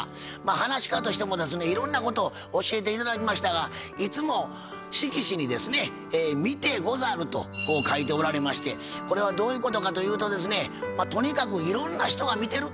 はなし家としてもですねいろんなことを教えて頂きましたがいつも色紙にですね「みてござる」とこう書いておられましてこれはどういうことかというとですねとにかくいろんな人が見てる。